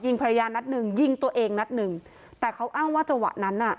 ภรรยานัดหนึ่งยิงตัวเองนัดหนึ่งแต่เขาอ้างว่าจังหวะนั้นน่ะ